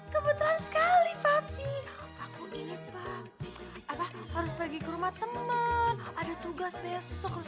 kebetulan sekali papi aku ini sebab apa harus pergi ke rumah temen ada tugas besok harus